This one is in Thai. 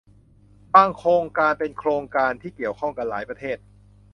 บางโครงการเป็นโครงการที่เกี่ยวข้องกันหลายประเทศ